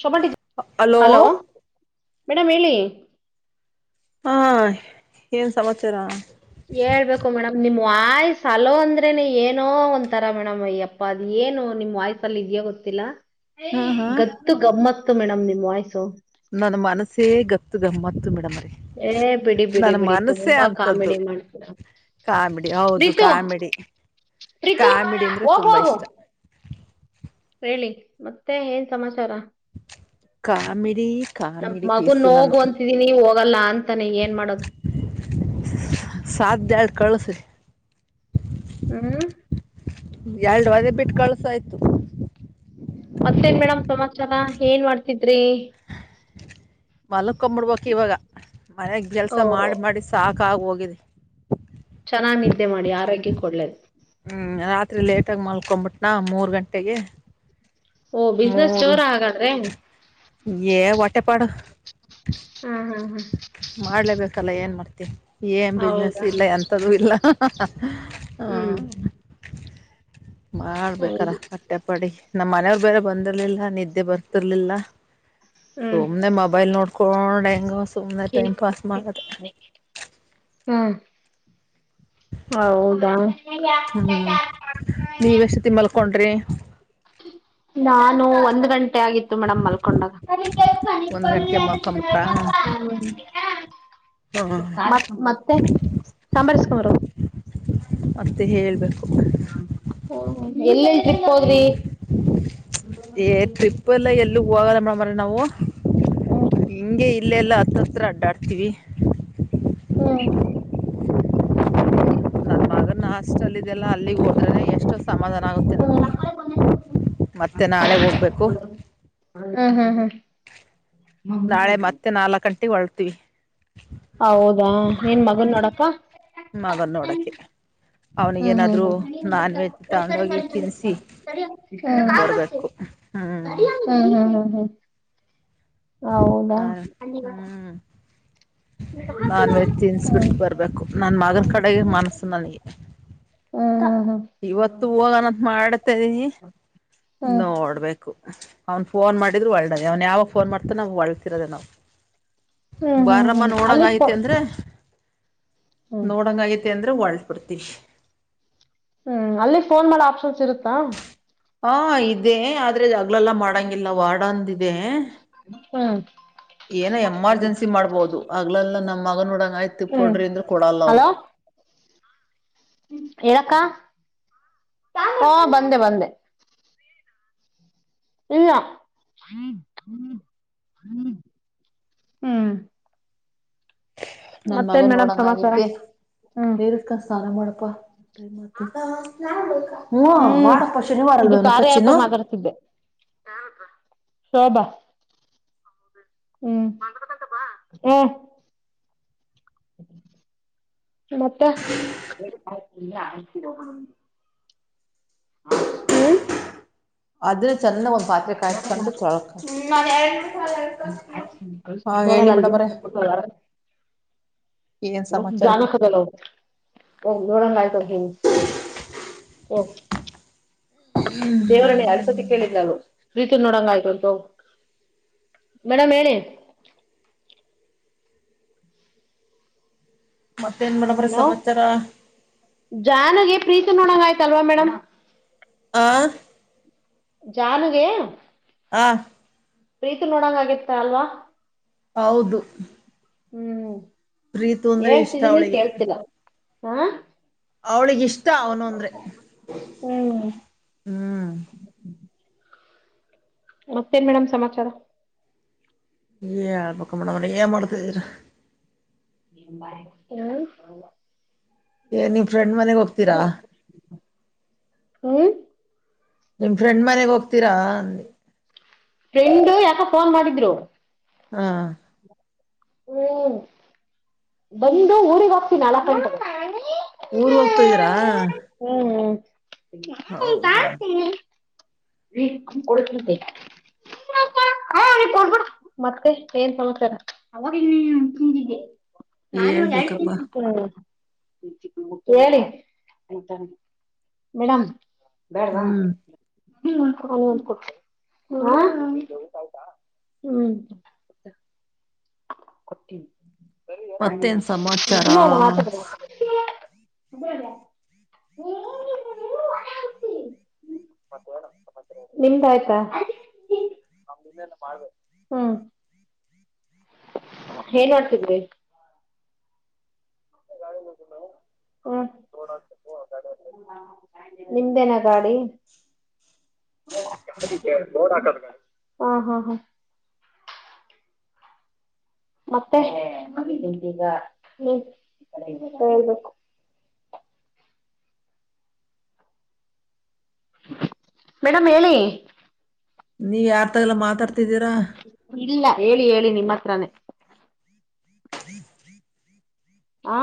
ಶೋಭಾಟ hello madam ಹೇಳಿ ಹಾ ಎನ್ ಹೇಳ್ಬೇಕು ಮೇಡಮ್ ನಿಮ್ಮ ವಾಯ್ಸ್ ಅಲೋ ಅಂದ್ರೆ ಏನೋ ಒಂಥರ ಮೇಡಮ್ ಅಯ್ಯಪ್ಪ ಅದ ಏನು ನಿಮ್ಮ್ ವಾಯ್ಸ ಅಲ್ಲಿ ಇದೆಯ ಗೊತ್ತ ಹಾ ಹಾ ಗತ್ತು ಗಮ್ಮತ್ತು ಮೇಡಮ್ ನಿಮ್ ವಾಯ್ಸು ನನ್ ಮನಸೇ ಗಪ್ತ ಗಮ್ಮತ್ ಮಿಡಮತ್ ಏ ಬಿಡಿ ಬಿಡಿ ಬಿಡಿ ತುಂಬಾ ಅಂತದ್ದು ಕಾಮಿಡಿ ಮಾಡ್ತರ ಕಾಮಿಡಿ ಹೌದು ಕಾಮಿಡಿ ಪ್ರೀತು ಕಾಮಿಡಿ ಅಂದ್ರೆ ತುಂಬಾ ಹೋಗೋಗ ಇಷ್ಟ ಹೇಳಿ ಮತ್ತೆ ಏನ್ ಸಮಾಚಾರ ಕಾಮಿಡಿ ನಮ ಕಾಮಿಡಿ ಮಗನ್ ಪೀಸು ನಾನು ಹೋಗು ಅಂತಿದೀನಿ ಹೋಗಲ್ಲ ಅಂತಾನೆ ಏನ್ ಮಾಡೋದು [inaudible] ಸಾಧ್ಯ್ಯಾಡ್ ಕಳಸ್ರಿ ಹ್ಮ್ ಎರಡುುವದೆ ಬಿಟ್ಟು ಕಳ್ಸಾಯ್ತು ಮತ್ತೇನ್ ಮೇಡಮ್ ಸಮಮಾಚಾರ ಏನ್ ಮಾಡ್ತಿದ್ರಿ ಮಲ್ಕೊಬಿಡ್ಬಕ್ ಇವಾಗ ಮನೆಗ್ ಕೆಲ್ಸ ಓ ಮಾಡಿ ಮಾಡಿ ಸಾಕಾಗ ಹೋಗಿದಿ ಚೆನ್ನಾಗ ನಿದ್ದೆ ಮಾಡಿ ಆರೋಗ್ಯಕ್ಕೆ ಒಡ್ಳ್ಳೇದು ಹ್ಮ್ ರಾತ್ರಿ ಲೇಟಗ ಮಲ್ಕೊಬಿಟ್ನಾ ಮೂರ್ ಗಂಟೆಗೆ ಓ ಬಿಸ್ನೆಸ್ ಚೋರ ಹಾಗಾದ್ರೆ ವಟೆಪಡ ಹ ಹ್ಮ ಮಾಡಲೇಬೇಕಲ್ಲ ಏನು ಮಾಡ್ತೀವಿ ಏನು ಹಾ ಬಿಸ್ನೆಸ್ ಹೌದಾ ಇಲ್ಲ ಎಂಥದ್ದೂ ಇಲ್ಲ ಹ [inaudible] ಮಾಡ್ಬೇಕಲ್ಲ ಹೌದು ಮಟ್ಟೆ ಪಡಿ ನಮ್ಮ್ ಮನೆಯವ್ ಬೇರೆ ಬಂದಿರ್ಲಿಲ್ಲ ನಿದ್ದೆ ಬರ್ತಿರ್ಲಿಲ್ಲ ಹ್ಮ್ ಸುಮ್ನೆ ಮೊಬೈಲ್ ನೋಡ್ಕೊಂಡ್ ಹೆಂಗ ಸುನೆ ಟೈಮ್ ಕೇಕ್ ಪಾಸ್ ಮಾಡದು ಹ್ಮ್ ಹೌದಾ ನೀವ ಎಷ್ಟತಿ ಮಲ್ಕೊಂಡ್ರಿ ನಾನು ಒಂದು್ ಗಂಟೆ ೆ ಆಗಿತ್ತು ಮೇಡ್ ಮಕ ಒಂದ್ ಗಂಟೆಗೆ ಮಲ್ಕೊಂಬಿಟ್ರಾ ಹಾ ಮತ್ತೆ ಸಾಂಬಾರಸ್ಕೊಂಬರು ಮತ್ತೆ ಹೇಳ್ಬೇಕು ಎಲ್ಲೆಲ್ಲಿ ಟ್ರಿಪ್ ಹೋದ್ರಿ ಏ ಟ್ರಿಪ್ ಎಲ್ಲ ಎಲ್ಲಿ ಹೋಗಲ್ಲ ಮೇಡಮ್್ರ ನಾವು ಹ್ಮ ಇಲ್ಲೆಲ್ಲಾ ಹತ್ತ ಹತ್ರ ಅಡ್ಡಾಡ್ತೀವಿ ಹ್ಮ್ ಅವ್ರನ್ನ ಹಾಸ್ಟೆಲ್ ಇದೆಲ್ಲ ಅಲ್ಲಿಗೆ ಹೋದ್ರೆ ಎಷ್ಟು ಸಮಾಧಾನ ಆಗುತ್ತೆ ಹ್ಮ್ ನನಗೆ ಹ್ಮ್ ಮತ್ತೆ ನಾಳೆ ಹೋಗ್ಬೇಕು ಹ್ಮ್ ಹ್ಮ್ ನಾಳೆ ಮತ್ತೆ ನಾಲ್ಕ್ ಗಂಟೆಗೆ ಹೊಳ್ತೀವಿ ಹೌದಾ ಏನ್ ಮಗನ್ ನೋಡಪ್ಪ ಮಗನ ನೋಡೋಕ್ಕೆ ಹ್ಮ ಅವನಿಗೇನಾದರೂ ನಾನ್ ವೆಜ್ ತಗೊಂಡೋಗಿ ತಿನ್ನಿಸಿ ಹ ಹ್ಮ್ ಹ ಹ್ಮ ಹೌದಾ ಹ್ಞೂ ಹ್ಮ್ ನಾನ್ ವೆಜ್ ತಿನ್ಿಸಬಿಟ್ಟು ಬರ್ಬೇಕು ನನ್ ಮಗನ ಕಡೆಗೆ ಮನಸ್ಸು ನನಗೆ ಹ್ಮ ಇವತ್ತು ಹೋಗನಂತ ಮಾಡ್ತನಿ ಹ್ಮ್ ಹ್ಮ್ ನೋಡ್ಬೇಕು ಅವ್ನ್ ಫೋನ್ ಮಾಡಿದ್ರು ಒಳ್ಳದ ಅವ್ನ್ ಯಾವಾಗ ಫೋನ್ ಮಾಡ್ತಾ ನಾವ ಒಳ್ತಿರದ ನಾವ್ ಹ್ಮ್ ಬಾರಮ್ಮ ಹ್ಮ್ ಅಲ್ಲಿ ನೋಡಂಗ ಫೋ ಐತಿ ಅಂದ್ರೆ ಹ್ಮ್ ನೋಡಂಗಗತೆ ಅಂದ್ರೆ ಹೊಳ್ಬಿಡ್ತೀ ಹ್ಮ್ ಅಲ್ಲಿ ಫೋನ್ ಮಾಡ ಆಪ್ಷನ್ಸ್ ಇರುತ್ತಾ ಹಾ ಇದದೆ ಆದ್ರೆ ಅಗ್ಲೆಲ್ಲ ಮಾಡಂಗಿಲ್ಲ ವಾಡಂದಿದೆ [inaudible] ಏನೋ ಎಮರ್ಜೆನ್ಸಿ ಮಾಡ್ಬಹದು ಅಗ್ಲೆಲ್ಲಾ ನಮ್ಮ ಮಗನ ನೋಡಂಗ ಆಯ್ತ ತಿ ಹ್ಮ್ ಕೊಡ್ರಿ ಅಂದ್ರ ಕೊಡಲ್ಲ ಅವ್ರು [inaudible] ಹೇಳಕ್ಕ ಹ ಬಂದೆ ಬಂದೆ ಇಲ್ಲ್ ಹ್ಮ ನನ್ ಮಗ ನೋಡಂಗ ಸಮಾಚಾರ ಆಗೈತಿ ಹ್ಮ್ ಬೇರಕ ಸ್ನಾನ ಮಾಡ ತಾ ನ ಹ್ಮ ಹ್ಮ್ ವಾಡ ಪಕ್ಷೆನ ಇದು ವರಲ್ಲಣ ಕಾರ್ಯ ಪಚಿನ ಆ್ಯಪ್ ಶೋಭ ಹ್ಮ್ ಮತ್ತೆ ಹ್ಮ ಅದ್ರೆ ಚೆನ್ನ ಒಂದ್ ಪಾತ್ರೆ ಕಾಯಕೊಂಡುಳ್ಕ ಹಾ ಹೇಳಿ ಮೇಡಮ್ [unintelligible] ಏನ್ ಹ ಸಮಾಚಾರ ಜಾನದೆಲ್ಲ ದೋಡಂಗಯತ ಓ ದೇವರನ್ನ ಯಾರ್ ಸತಿ ಕೇಳಿದ್ ನಾವು ಪ್ರೀತ ನೋಡಂಗ ಆಯ್ತು ಉಂಟು ಮೇಡಮ್ ಹೇಳಿ ಮತ್ತೇನ್ ಮೇಡಮ್ರೀ ಹಲೋ ಸಂಚಾರ ಪ್ರೀತ ನೋಡಂಗ ಆಯ್ತಲ್ವಾ ಮೇಡಮ್ ಆ ಜನುಗೆ ಆ ಪ್ರೀತಿ ನೋಡಂಗ ಆಗತ್ತ ಅಲ್ವಾ ಹೌದು ಹ್ಮ್ ಪ್ರೀತು ಅಂದ್ರೆ ಇಷ್ಟ ಹೇಳ್ತಿದ್ದೀನಿ ಕೇಳ್ತೀರ ಹಾ ಅವ್ಳಿಗೆ ಇಷ್ಟ ಅವನು ಅಂದ್ರೆ ಹ್ಮ್ ಹ್ಮ್ ಮತ್ತೇನ್ ಮೇಡಮ್ ಸಮಾಚಾರ ಏ ಹಳ್ಬೇಕ ಮೇಡ ಮನ ಏ ಮಾಡ್ತಿದರ ಹ್ಮ ಏ ನೀವ್ ಫ್ರೆಂಡ್ ಮನೆಗ್ ಹೋಗ್ತೀರಾ ಹ್ಮ್ ನಿಮ್ ಫ್ರೆಂಡ್ ಮನೆಗ್ ಹೋಗ್ತೀರಾ ಅಂದ ಫ್ರೆಂಡು ಯಾಕ ಫೋನ್ ಮಾಡಿದ್ರು ಹಾ ಹ್ಮ್ ಬಂದು ಊಗ್ ಹೋಗ್ತೀನಿ ನಾಲ್ಕ್ ಗಂಟು ಊರ್ ಹೋಗ್ತ ಇದೀರಾ ಹಂಟಾ ಕ್ಕ ಕೊಡತ ಮತ್ತೆ ಏನ್ ಸಮಾರಿಗೆ ನಾನ್ ಇವಾಗ ಹೇಳ್ಬೇಕಪ್ಪಾ ಎ ಹೇಳಿ ಅಂತ ಮೇಡಮ್ ಹ್ಮ್ ಹ್ಮ ಒಂದ ಕೊಡ್ ಹ್ಮ್ ಕೊಟ್ಟ ಇಲ್ಲ ನ ಮತ್ತೇನ್ ಸಮಾಚಾರ ಅದೇ ಅಲ್ಲ ನಿಮ್ದ ಆಾಯ್ತಾ ಮಾಡ ಹ್ಮ್ ಏನ್ ಮಾಡಡ್ತಿದ್್ರಿ ನಿಮೇನ ಗಾಡಿ ಹಾ ಹಾ ಹಾ ಮತ್ತೆಗ ಹೇಳ್ಬೇಕು ಹ ಮೇಡಮ್ ಹೇಳಿ ನೀವ ಯಾರ್ ತಗಲ್ಲ ಮಾತಾಡ್ತಿದ್ದೀರಾ ಇಲ್ಲ ಹೇಳಿ ಹೇಳಿ ನಿಮ್ಮ ಹತ್ರಾನೇ ಆ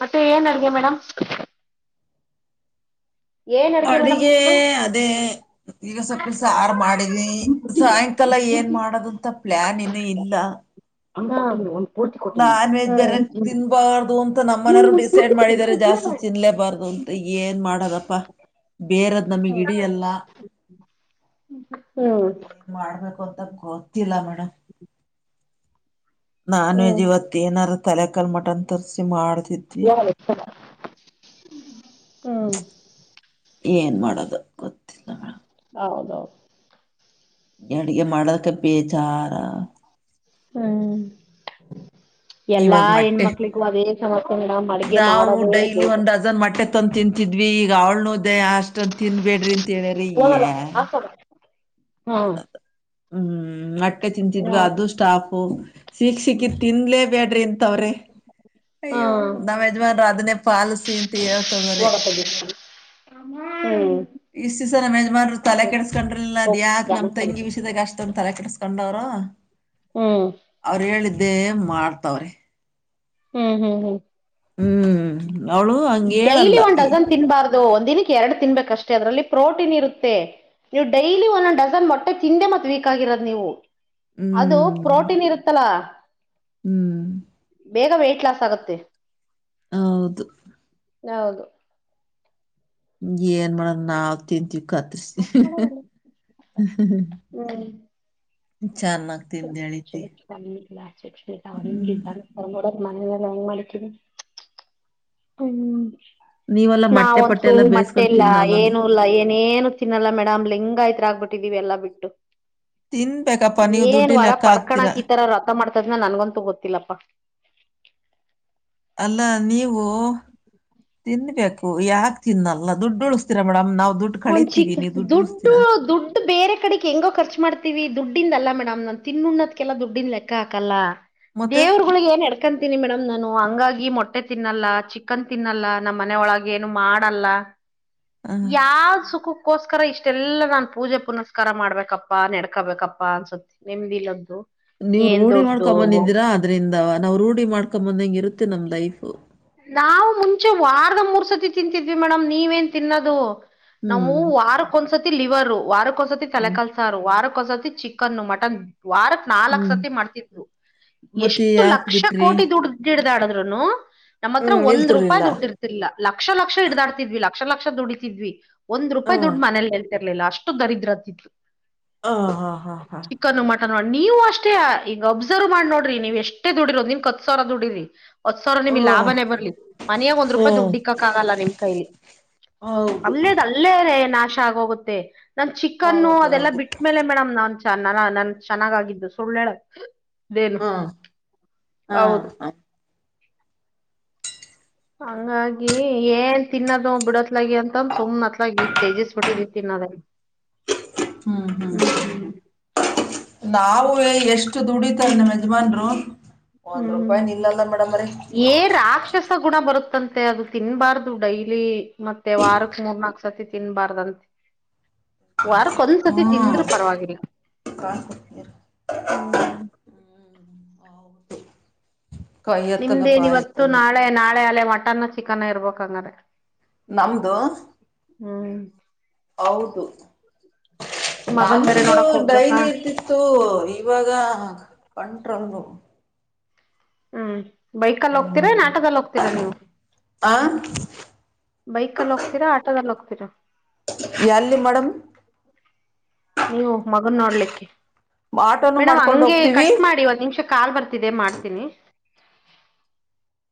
ಮತ್ತೆ ಏನ್ ಅಡ್ಗೆ ಮೇಡಮ್ ಏನ್ ಅಡ್ಗೆ ಮೇಡಮ್ ಅಡುಿಗೆ ನಿಮ್ದು ಅದೇ ಈಗ ಸ್ವಪ್ಪ ಸಾರು ಮಾಡಿದಿ ಸಾಯಂಕಾಲ ಏನ್ ಮಾಡೋದಂತ ಪ್ಲಾನ್ ಏನ್ನುೂ ಇಲ್ಲ ಹಂಗ ನಾನ್ ವೆಜ್ ಬೇರಕ್ ತಿನ್ಬಾರ್ದು ಅಂತ ನಮ್ಮನರು ಡಿಸೈಡ್ ಮಾಡಿದಿದ್ದಾರೆ ಜಾಸ್ತಿ ತಿನ್ಲೇಬಾರ್ದು ಅ ಮತ್ತ ಏನ್ ಮಾಡದಪ್ಪಾ ಬೇರದ್ ನಮಗ್ ಇಿಡಿಯಲ್ಲ ಹ್ಮ್ ಏನ್ ಮಾಡ್ಬೇಕು ಅಂತ ಗೊತ್ತಿಲ್ಲ ಮೇಡಮ್ ನಾನ್ ವೆಜ್ ಹ್ಮ್ ಇವತ್ತು ಏನಾರ ತಲೆಕಾಲ್ ಮಟನ್ ತರ್ಸಿ ಮಾಡತಿದ್ದಿ ಹ್ಮ್ ಏನ್ ಮಾಡೋದು ಗೊತ್ತಿಲ್ಲ ಮೇಡ್ ಹೌದೌದು ಅಡಗೆ ಮಾಡದಕ್ಕೆ ಬೇಜಾರ ಹ್ಮ್ ಎಲ್ಲಾ ಇವಾಗ ಮೊಟ್ಟೆ ಹೆಣ್ಮಕ್ಳಿಗೂ ಅದೇ ಸಮಸ್ಯೆ ಮೇಡಮ್ ಅಡಗೆ ಮಾಡೋದೇ ಹೇಗೆ ಅಷ್ಟನ್ ತಿಂತಿದ್ವಿ ಈಗ ಅವಳ ನೋದೆ ಅಷ್ಟನ್ ತಿನ್ಬೇಡ್ರಿ ಅಂತ ಹೇಳ್ರಿ ಈ ಹೋಗಲ್ಲ ಹಾಕಲ್ಲ ಹಾ ಹ್ಮ್ ಹ್ಮ್ ಮತ್ತೆ ಹಾ ಚಂತಿದ್ವಿ ಅದು ಸ್ಟಾಫು ಸಿೀಕ್ ಸಿಕ್ಕಿ ತಿನ್ಲೇ ಬೇಡ್ರಿ ಇಂತವ್ರಿ ಹಾ ಅಯ್ಯೋ ನಾವ್ ಯಜಮನ್ರು ಅದನ್ನೇ ಪಾಲಸಿ ಅಂತ ಹೇಳ್ತದ್ರ ಹ್ಮ ಇಷ್ಟ್ ದಿವಸ ನಮ್ಮ ಯಜಮಾನ್ರು ತಲೆ ಕೆಡಿಸಸ್ಕೊಂಡ್ರಿಲಿಲ್ಲ ಅದ್ ಯಕಕ್ ನಮ್ ಹ್ಮ್ ತಂಗಿ ವಿಷಯದಾಗ ಅಷ್ಟೊಂದ ತಲೆ ಕೆಡಿಸಸ್ಕೊಂಡವ್ರು ಹಾ ಇದೇ ಮಾಡ್ತವ್ರೆ ಹ್ಮ್ ಹ್ಮ್ ಹ್ಮ್ ಹ್ಮ್ ಅವಳು ಹಂಗ ಡೈಲಿ ಹೇಳಲ್ಲ ಒಂದು್ ಡಜನ್ ತಿನ್ಬಾರ್ದು ಒ ದಿನಕ್ಕೆ ಎರಡು ತಿನ್ಬೇಕಷ್ಟೇ ಅದರಲ್ಲಿ ಪ್ರೋಟೀನ್ ಇರುತ್ತೆ ನೀವು ಡೈಲಿ ಒಂದ ಡಸನ್ ಮೊಟ್ಟೆ ತಿಂದೆ ಮತ್ ವೀಕ್ ಆಗಿರೋದು ನೀವು ಅದು ಹ್ಮ್ ಪ್ರೋಟೀನ್ ಇರುತ್ತಲಾ ಹ್ಮ್ ಬೇಗ ವೆಯ್ಟಟ್ ಲಾಸ್ ಆಗತ್ತೆ ಹೌದು ಹೌದು ಹ ಏನ್ ಮಾಡ ನಾವ್ ತಿಂತೀವಿ ಕತ್ತುಿಸಿ ಚೆನ್ನಾಗಗ್ ತಿಿಂದಳತಿ ಇಲ್ಲ ಶಿಕ್ಷಣ ಅವ ಹಂಗ ಇದಡ ಮನಲ್ಲ ಹೆಂಗ ಮಾಡಕಿ ಹ್ಮ್ ನೀವು ನಾವ ಒಂದಸೂ ಮಟ್ಟೆ ಇಲ್ಲ ಏನು ಇಲ್ಲಾ ಏನೇಏನು ತಿನ್ನಲ್ಲ ಮೇಡ್ ಲಿಂಗಯ್ತ್ ಆಗ್ಬಿಟ್ಟು ಎಲ್ಲಾ ಬಿಟ್ಟು ತಿನ್ಬೇಕಪ್ಪ ನೀವು ಏನ್ ದುಡ್ಡಿ ವರ ಲೆಕ್ಕ ಹಾಕ್ತೀರಾ ಪಡ್ಕಣಕ್ ಈ ತರ ರಥ ಮಾಡ್ತ ದನ್ನ ನನ್ಗಂತೂ ಗೊತ್ತಿಲ್ಲಪ್ಪಾ ಅಲ್ಲ ನೀವು, ತಿನ್ಬೇಕು ಯಾಕೆ ತಿನ್ನಲ್ಲ ದುಡ್ಡು ಉಳಿಸಸ್ತಿರಾ ಮೇಡಮ್ ನಾವು ದುಡ್ಡು ಒಂದ್ ಕಳೀತೀವಿ ಚಿಕ್ಕ ನೀವು ದುಡ್ಡು ಉಳಿಸ್ತೀರಾ ದುಡ್ಡು ಬೇರೆ ಕಡೆಗೆ ಹೆಂಗೋ ಖರ್ಚು ಮಾಡ್ತೀವಿ ದುಡ್ಡು. ದುಡ್ಡಿಂದ ಅಲ್ಲ ಮೇಡಮ್ ನನ್ ತಿನ್ನುಣ್ಣದ್ಕ್ಕೆಲ್ಲ ದುಡ್ಡಿನ ಲೆಕ್ಕಾಕಲ್ಲ. ಮತ್ತೆ ದೇವರುಗಳಿಗೆ ಏನ್ ಎಡ್ಕಂತೀನಿ ಮೇಡಮ್ ನಾನು ಹಂಗಾಗಿ. ಮೊಟ್ಟೆ ತಿನ್ನಲ್ಲ ಚಿಕನ್ ತಿನ್ನಲ್ಲ ನಮ್ಮ್ ಮನೆ ಒಳಗ ಏನು ಮಾಡಲ್ಲ. ಆ, ಯ ಚುಖು [unintelligible] ಅದಕ್ಕೋಸ್ಕರ ಇಷ್ಟೆಲ್ಲಾ ನಾನ್ ಪೂಜೆ ಪುನಸ್ಕಾರ ಮಾಡ್ಬೇಕಪ್ಪಾ ನೆಡ್ಕಬೇಕಪ್ಪಾ ಅನ್ಸತ್ತ ನಿಮ್ದ ಇಲ್ಲದ್ದು. ನೀವ್ ರೂಢಿ ಮಾಡ್ಕೊಂಬಂದಿದಿರಾ ಅದ್ರಿಂದ ನಾವ್ ರೂಢಿ ಮಾಡ್ಕೊಂದಂಗ ಇರುತ್ತೆ ನಮ್ ಲೈಫ್. ನಾವು ಮುಂಚೆ ವಾರದ ಮೂರ್ ಸತಿ ತಿಂತಿದ್ವಿ ಮೇಡಮ್ ನೀವೇನ್ ತಿನ್ನೋದು. ನಾವು ಹ್ಮ್ ವಾರಕ್ ಒಂದ್ಸರ್ತಿ ಲಿವರು ವಾರಕ್ ಒಂದ್ಸತಿ ತಲೆ ಹ್ಮ್ ಕಲ್ಸಾರ ವಾರಕ್. ತಿ ಚಿಕನ್ ಮಟನ್. ವಾರಕ್ ನಾಲ್ಕ ಹ್ಮ್ ಸತಿ ಮಾಡ್ತಿದ್ವು ಮತ್ತೆ ಎಷ್ಟು ಯಾಕೆ ಲಕ್ಷ ಬಿಟ್ರಿ ಕೋಟಿ ದುಡ ಡ್ದಾಡ್ದ ನಮ್ಮ ಹತ್ರ ಹ್ಮ್ ಒಂದ ರೂಪಾಯಿ್ ನಿಲ್ತಿರ್ಲಿಲ್ಲ ದುಡ್ಡು ಇರ್ತಿಲ್ಲ ಲಕ್ಷ ಲಕ್ಷ ಹಿಡ್ದಾಡ್ತಿದ್ವಿ ಲಾ. ಲಕ್ಷ ಲಕ್ಷ ದುಡ್ ಇದಿದ್ವಿಂದ್ಪಾಯಿ ಹ್ಮ್ ದುಡ್ಡು ಮನೇಲಿ ಹೇಳ್ತಿರ್ಲಿಲ್ಲ ಅಷ್ಟು ದರಿದ್ರತಿತ್ತು ಹ- ಹಾ- ಹಾ ಹಾ ಡಿ- ನೀವು ಅಷ್ಟೇ ಈಗ ಅಬ್ಸರ್ವ್ ಮಾಡಿ ನೋಡ್ರಿ ನೀವು್ ಎಷ್ಟೇ ದುಡಿರೋಂದ ನಿನ್ ಕತ್ ಸಾವಿರ ದುಡಿದ್ರಿ ಒತ್ ಸಾವಿರ ಓ ನಿಮ್ಗ್ ಲಾಭಾನೇ ಬರ್ಲಿ ಮನಯಾಗ ಒಂದ್ ರೂಪಾಯಿ ಹ್ಮ್ ದುಡ್ಡುಡಿಕ್ಕಕ್ ಆಗಲ್ಲ ನಿಮ್ ಕೈಲಿ. ಹೌದು ಅಲ್ಲೇದ ಅಲ್ಲೇ ರೇ ನಾಶ ಆಗೋಗುತ್ತೆ ನನ್ ಚಿಕನ್ನು ಅದೆಲ್ಲ ಹೌದೌದು ಬಿಟ್ಟ್ಮೇಲೆ ಮೇಡಮ್ ನಾನ್. ನನ್ ಚೆನ್ನಾಗಾಗಿದ್ದು ಸುಳ್ಳಳ ಇದೇನು ಹ್ಮ್ ಹಾ ಹೌದು ಹ ಹಂಗಾಗಿ ಏನ್ ತಿನ್ನದು ಬಿಡತ್ಲಾಗಿ ಅಂತಂದ ಸುಮ್ನ ಅತ್ಲಾಗಿ ತೇಜಿಸ್ಬ ಬಿಟ್ಟಿದಿ. ತಿನ್ನೋದ ಹ್ಮ್- ಹ್ಮ್ -ನೂ ಎಷ್ಟ್ ಎಷ್ಟು ದುಡಿತ ಇಲ್ಲ ಯಜಮಾನ್ರು. ಒಂದ್ ರೂಪಾಯಿ ಹ್ಮ್- ನಿಲ್ಲಲ್ಲ ಮೇಡಮ್ರೀ ಏ- ರಾಕ್ಷಸ ಗುಣ ಬರುತ್ತಂತ. ಮತ್ತೆ ಅದು ತಿನ್ಬಾರ್ದು ಡೈಲಿ ಮತ್ತೆ ವಾರಕ್ ಮೂರ್ನಾಕು ಸತಿ ತಿನ್ಬಾರ್ದಂತೆ. ವಾರಕ್ಕೊಂದ್ಸತಿ ಹ್ಮ್ ತಿಂದ್ರೆ ಪರವಾಗಿಲ್ಲ. ಕಾಣ್ಕೊತನೀರು ಹ್ಮ್ ಕೈ ಎತ್ತಲ್ಲ ನಿಮ್ದೇನ್ ಬಾಯಿ ಇವತ್ತು ಎತ್ತಲ್ಲ ನಾಳೆ ನಾಳೆ ಅಲೆ ಮಟನ್ ಚಿಕನ್ ಇರ್ಬೇಕ ಹಂಗ್ರೆ. ನಮದು ಹ್ಮ್ ಹೌದು ಮಗನ್ ನಾನು ಬೇರೆ ನೋಡಕ್ ಹೋಗ್ಬೇಕಾ ಡೈಲಿ ಇರ್ತಿತ್ತು ಇವಾಗ ಕಂಟ್ರೋಲ್. ಹ್ಮ್- ಬೈಕಲ್ಲಿ ಹೋಗ್ತೀರಾ ಹ್ಮ್ ಏನ್ ಆಟದಲ್ಲಿ ಹೋಗ್ತೀರಾ ನೀವು. ಆ ಬೈಕಲ್ಲಿ ಹೋಗ್ತೀರಾ ಆಟೋದಲ್ಲಿ ಹೋಗ್ತೀರಾ ಎಲ್ಲಿಲ್ಲಿ ಮೇಡಮ್ [inaudible] ಹನ್ನ ನೋಡ್ಲಿಕ್ಕೆ ಆಟೋನು ಮೇಡಮ್ ಮಾಡ್ಕೊಂಡ್ ಹಗೆ ಹೋಗ್ತೀವಿ ಕಟ್ ಮಾಡಿ ಒಂದ್ ನಿಮಿಷ ಕಾಲ್ ಬರ್ತಿದೆ ಮಾಡ್ತೀನಿ.